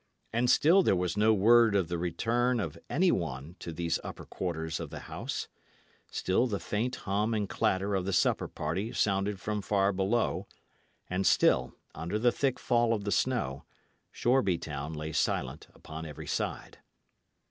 And still there was no word of the return of any one to these upper quarters of the house; still the faint hum and clatter of the supper party sounded from far below; and still, under the thick fall of the snow, Shoreby town lay silent upon every side.